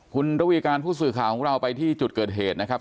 คุณระวีการผู้สื่อข่าวของเราไปที่จุดเกิดเหตุนะครับ